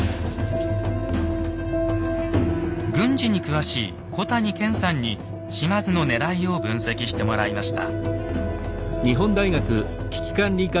軍事に詳しい小谷賢さんに島津のねらいを分析してもらいました。